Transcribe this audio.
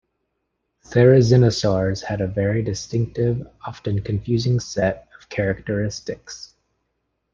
Therizinosaurs had a very distinctive, often confusing set of characteristics.